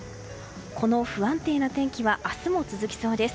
この不安定な天気は明日も続きそうです。